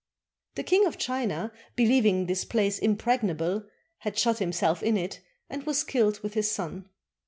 The King of China, beUeving this place im pregnable, had shut himself in it, and was killed with his son.